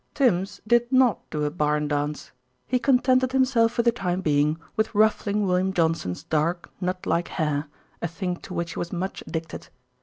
Tims did not do a barn dance. He contented himself for the time being with ruffling William Johnson's dark, knut like hair, a thing to which he was much addicted.